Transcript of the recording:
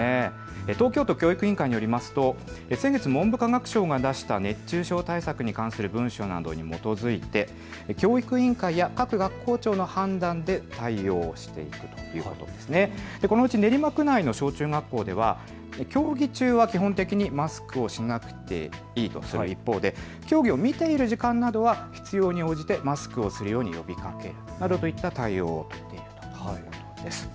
東京都教育委員会によると先月、文部科学省が出した熱中症対策に関する文書などに基づいてこのうち練馬区内の小中学校では競技中は基本的にマスクをしなくていいとする一方で競技を見ている時間などは必要に応じてマスクをするよう呼びかけるなどといった対応を取っているということです。